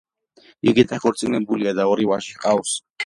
იგი დაქორწინებულია და ორი ვაჟი ჰყავს.